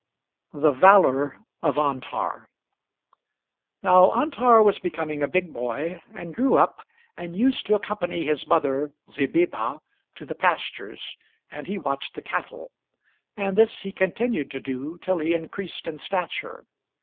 [Illustration: Signature: EDWARD S. HOLDEN] THE VALOR OF ANTAR Now Antar was becoming a big boy, and grew up, and used to accompany his mother, Zebeeba, to the pastures, and he watched the cattle; and this he continued to do till he increased in stature.